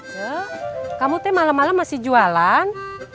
sob kamu malem malem masih jualan